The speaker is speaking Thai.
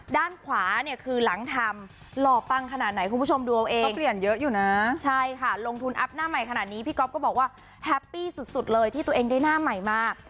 ด้านขวาเนี่ยคือหลังทำหล่อปังขนาดไหนคุณผู้ชมดูเอาเองก็เปลี่ยนเยอะอยู่นะใช่ค่ะลงทุนอัพหน้าใหม่ขนาดนี้พี่ก๊อฟก็บอกว่าแฮปปี้สุดเลยที่ตัวเองได้หน้าใหม่มา